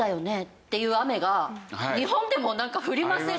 っていう雨が日本でもなんか降りません？